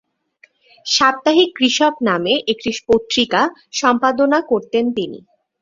সাপ্তাহিক কৃষক নামে একটি পত্রিকা সম্পাদনা করতেন তিনি।